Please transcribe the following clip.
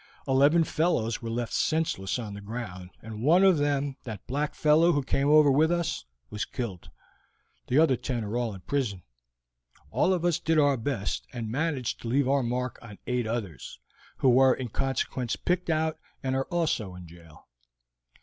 Eleven fellows were left senseless on the ground, and one of them, that black fellow who came over with us, was killed. The other ten are all in prison. All of us did our best, and managed to leave our mark on eight others, who were in consequence picked out, and are also in jail."